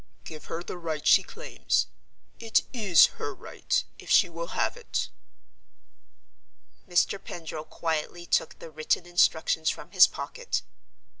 "Give her the right she claims. It is her right—if she will have it." Mr. Pendril quietly took the written instructions from his pocket.